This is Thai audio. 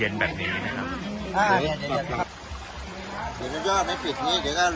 หลงหลงหลงหลงหลงหลงหลงหลงหลง